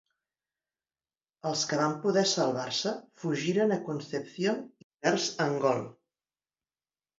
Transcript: Els que va poder salvar-se fugiren a Concepción i vers Angol.